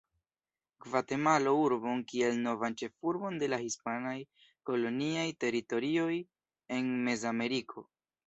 Gvatemala-urbon kiel novan ĉefurbon de la hispanaj koloniaj teritorioj en Mezameriko.